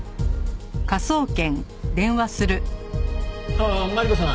ああマリコさん